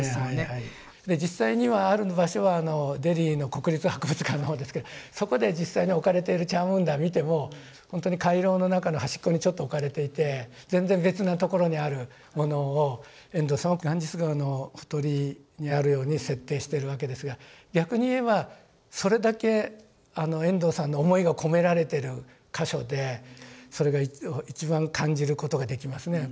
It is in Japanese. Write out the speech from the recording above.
実際にはある場所はデリーの国立博物館の方ですけどそこで実際に置かれているチャームンダーを見てもほんとに回廊の中の端っこにちょっと置かれていて全然別な所にあるものを遠藤さんはガンジス川のほとりにあるように設定しているわけですが逆に言えばそれだけ遠藤さんの思いが込められている箇所でそれが一番感じることができますね。